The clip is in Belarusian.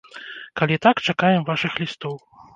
Калі так, чакаем вашых лістоў.